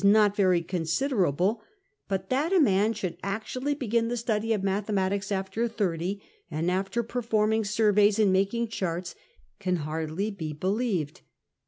not very considerable ; but that) ^ should actually begin the study of mathematics after thirty, and after performing surveys and making charts, can hardly be believed.